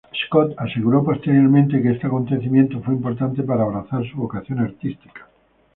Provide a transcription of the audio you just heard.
Scott aseguró posteriormente que este acontecimiento fue importante para abrazar su vocación artística.